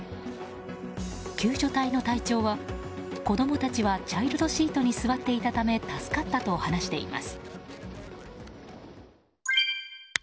救助隊の隊長は子供たちはチャイルドシートに座っていたため助かったと話しています。